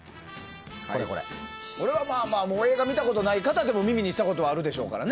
映画見たことない方でも耳にしたことはあるでしょうからね。